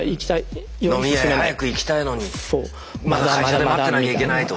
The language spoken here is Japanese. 飲み屋へ早く行きたいのにまだ会社で待ってなきゃいけないとか。